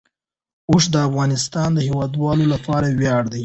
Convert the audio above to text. اوښ د افغانستان د هیوادوالو لپاره ویاړ دی.